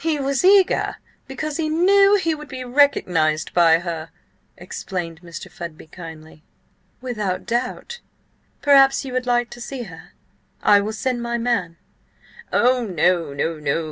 "He was eager because he knew he would be recognised by her," explained Mr. Fudby kindly. "Without doubt. Perhaps you would like to see her? I will send my man—" "Oh no, no!"